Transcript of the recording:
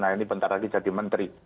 nah ini bentar lagi jadi menteri